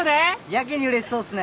やけにうれしそうっすね。